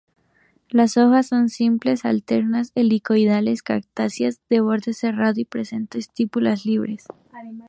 Las hojas son simples, alternas, helicoidales, cactáceas, de borde aserrado y presenta estípulas libres.